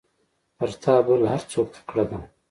تر تا بل هر څوک تکړه ده.